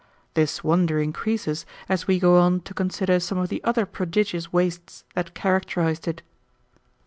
This wonder increases as we go on to consider some of the other prodigious wastes that characterized it.